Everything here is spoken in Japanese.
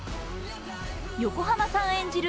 横浜さん演じる